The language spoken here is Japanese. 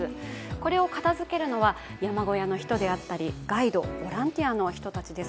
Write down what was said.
これを片づけるのは山小屋の人であったりガイドボランティアの人たちです。